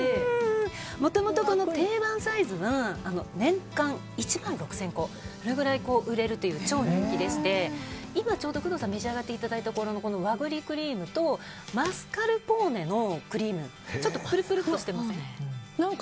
もともと定番サイズは年間１万６０００個売れるという超人気でして今ちょうど工藤さんが召し上がっていただいた和栗クリームとマスカルポーネのクリームちょっとプルプルとしてません？